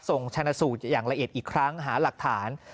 ชนะสูตรอย่างละเอียดอีกครั้งหาหลักฐาน